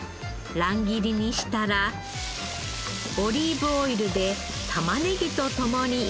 乱切りにしたらオリーブオイルで玉ねぎと共に炒めます。